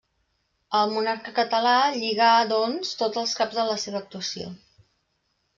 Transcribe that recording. El monarca català lligà, doncs, tots els caps de la seva actuació.